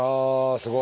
すごい。